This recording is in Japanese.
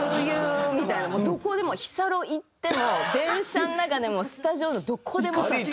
どこでも日サロ行っても電車の中でもスタジオでもどこでもそう。